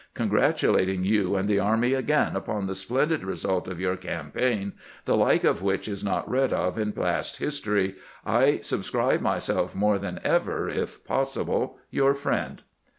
Congratulating you and the army again upon the splendid result of your cam paign, the like of which is not read of in past history, I subscribe myself more than ever, if possible, your friend."